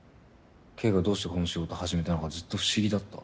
ケイがどうしてこの仕事始めたのかずっと不思議だった。